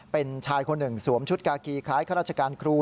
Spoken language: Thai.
เป็นชายคนหนึ่งสวมชุดกากีคล้ายข้าราชการครู